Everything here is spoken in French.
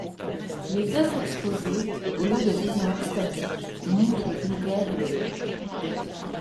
Les œuvres exposées, au lieu de visions extatiques, montrent le vulgaire et le laid.